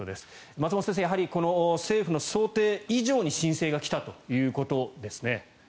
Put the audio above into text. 松本先生、やはり政府の想定以上に申請が来たということですね。